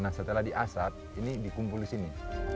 nah setelah diasat ini dikumpul di sini